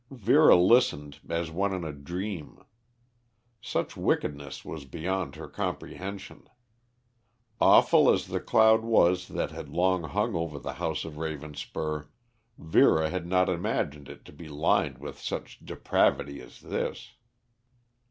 Vera listened as one in a dream. Such wickedness was beyond her comprehension. Awful as the cloud was that had long hung over the house of Ravenspur, Vera had not imagined it to be lined with such depravity as this.